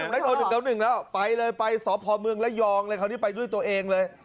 ไม่โทร๑๙๑แล้วไปสะพอเมืองไร้ยองครั้งนี้ไปด้วยตัวเองเลย